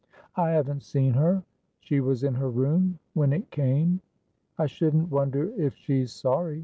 "I haven't seen her. She was in her room when it came." "I shouldn't wonder if she's sorry.